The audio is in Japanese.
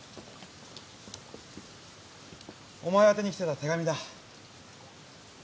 お前宛に来てた手紙だ。